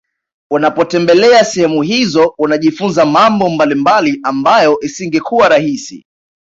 Unapotembelea sehemu hizo unajifunza mambo mbalimbali ambayo isingekuwa rahisi